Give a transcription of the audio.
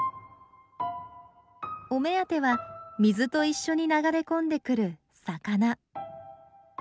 お目当ては水と一緒に流れ込んでくる魚。